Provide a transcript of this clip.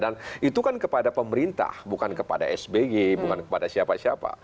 dan itu kan kepada pemerintah bukan kepada sbg bukan kepada siapa siapa